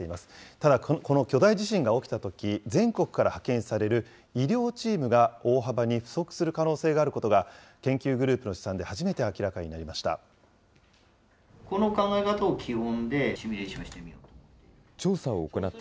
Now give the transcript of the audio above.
ただこの巨大地震が起きたとき、全国から派遣される医療チームが大幅に不足する可能性があることが、研究グループの試算で初めて明らかになりました。